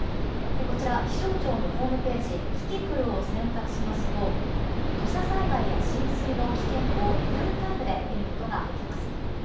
こちら、気象庁のホームページキキクルを選択しますと土砂災害や浸水の危険度をリアルタイムで見ることができます。